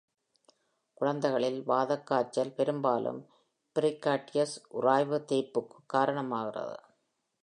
குழந்தைகளில், வாத காய்ச்சல் பெரும்பாலும் பெரிகார்டியல் உராய்வு தேய்ப்புக்கு காரணமாகிறது.